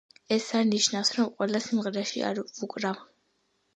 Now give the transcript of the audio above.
ეს არ ნიშნავს, რომ ყველა სიმღერაში არ ვუკრავ.